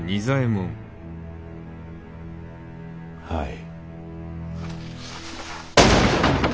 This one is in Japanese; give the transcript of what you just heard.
はい。